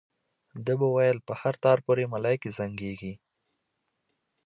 ده به ویل په هر تار پورې ملایکې زنګېږي.